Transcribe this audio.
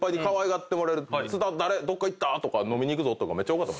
「津田どっか行った？」とか「飲みに行くぞ」とか多かった。